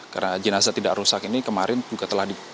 karena jenazah tidak rusak ini kemarin juga telah dipukul